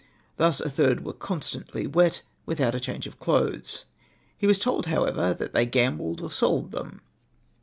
Thus a third were constantly wet, many without a change of clothes. He was told, liowever, that the}^ gambled or sold them.